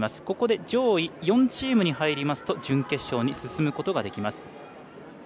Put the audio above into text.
ここで上位４チームに入りますと準決勝に進むことができます。